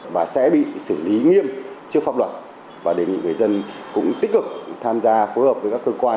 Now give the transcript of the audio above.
và sẽ bị xử lý nghiêm trước pháp luật và đề nghị người dân cũng tích cực tham gia phối hợp với các cơ quan